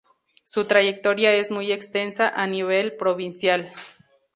Su trayectoria es muy extensa a nivel provincial.